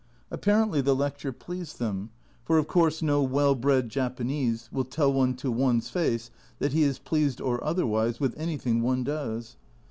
Apparently the lecture pleased them for of course no well bred Japanese will tell one to one's face that he is pleased or otherwise with anything one does.